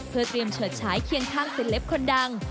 เพื่อเตรียมเฉิดฉายเคียงข้างศิลปคนดัง